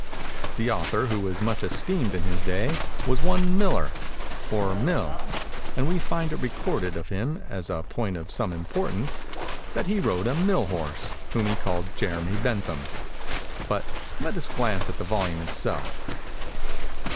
The author, who was much esteemed in his day, was one Miller, or Mill; and we find it recorded of him, as a point of some importance, that he rode a mill horse whom he called Jeremy Bentham:—but let us glance at the volume itself!